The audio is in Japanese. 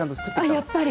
やっぱり？